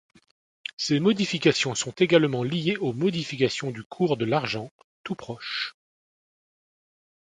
Ces modifications sont également liées aux modifications du cours de l'Argens, tout proche.